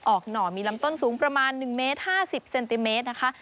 หน่อมีลำต้นสูงประมาณ๑เมตร๕๐เซนติเมตรนะคะ